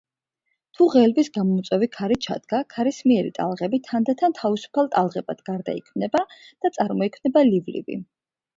თუ ღელვის გამომწვევი ქარი ჩადგა, ქარისმიერი ტალღები თანდათან თავისუფალ ტალღებად გარდაიქმნება და წარმოიქმნება ლივლივი.